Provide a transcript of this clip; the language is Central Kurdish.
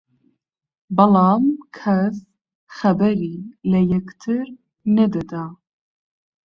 بەڵام کەس خەبەری لە یەکتر نەدەدا